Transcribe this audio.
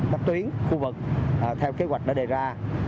các tuyến khu vực theo kế hoạch đã đề ra